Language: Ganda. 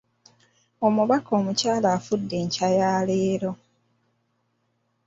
Omubaka okukyala afudde enkya ya leero.